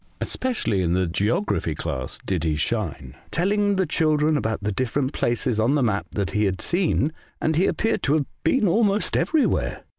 Especially in the geography class did he shine, telling the children about the different places on the map that he had seen, and he appeared 46 A Voyage to Other Worlds. to have been almost everywhere.